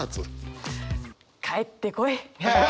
帰ってこい。